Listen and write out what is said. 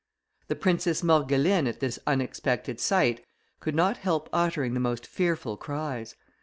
The princess Morgeline, at this unexpected sight, could not help uttering the most fearful cries.